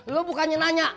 lu bukannya nanya